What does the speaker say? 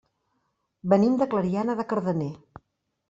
Venim de Clariana de Cardener.